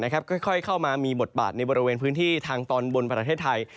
ค่อยเข้ามามีบทบาทในบริเวณพื้นที่ทางตอนบนประเทศไทย